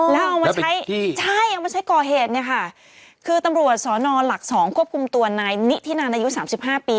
แล้วเอามาใช้ก่อเหตุคือตำรวจสอนอนหลัก๒ควบคุมตัวนายนิทินานายุ๓๕ปี